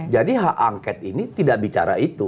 jadi hak angket ini tidak bicara itu